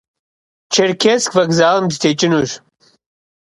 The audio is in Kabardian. Черкесск вокзалым дытекӏынущ.